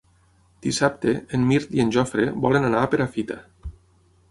Dissabte en Mirt i en Jofre volen anar a Perafita.